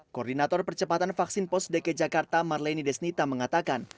koordinator percepatan vaksin pos dki jakarta marleni desnita mengatakan